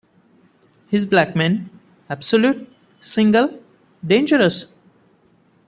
His Black Men: Obsolete, Single, Dangerous?